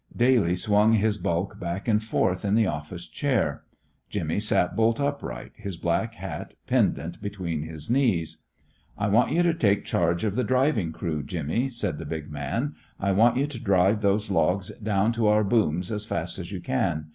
Daly swung his bulk back and forth in the office chair. Jimmy sat bolt upright, his black hat pendant between his knees. "I want you to take charge of the driving crew, Jimmy," said the big man; "I want you to drive those logs down to our booms as fast as you can.